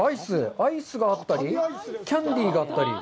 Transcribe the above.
アイスがあったり、キャンデーがあったり。